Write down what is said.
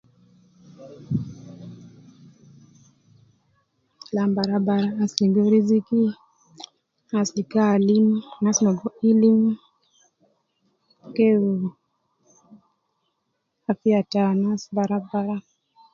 Kalam bara bara, anas ligo riziki, anas ligo alim, anas ligo ilim, geeru, afiya ta anas bara bara